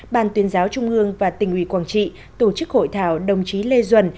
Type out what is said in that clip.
ban tuyên giáo trung ương và tỉnh ủy quảng trị tổ chức hội thảo đồng chí lê duẩn